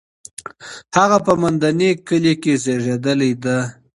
هغه په مندني کلي کې زېږېدلې ده.